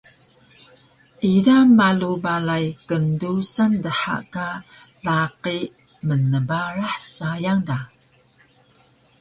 ida malu balay kndusan dha ka laqi mnbarah sayang da